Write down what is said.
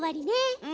うん！